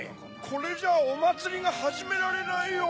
これじゃおまつりがはじめられないよ。